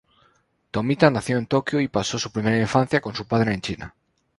Tomita nació en Tokio y pasó su primera infancia con su padre en China.